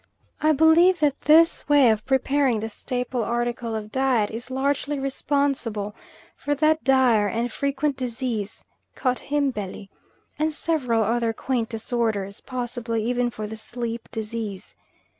I believe that this way of preparing the staple article of diet is largely responsible for that dire and frequent disease "cut him belly," and several other quaint disorders, possibly even for the sleep disease.